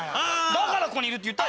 だからここにいるって言った。